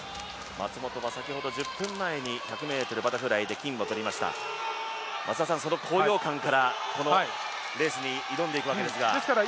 松元は、先ほど１０分前に１００ｍバタフライで金をとりました、松田さん、その高揚感からこのレースに挑んでいくわけですから。